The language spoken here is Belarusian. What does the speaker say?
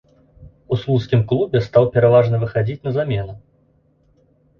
У слуцкім клубе стаў пераважна выхадзіць на замену.